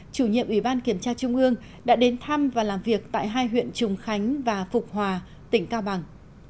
chủ nhiệm ủy ban kiểm tra trung ương đã đến thăm và làm việc tại hai huyện trùng khánh và phục hòa tỉnh cao bằng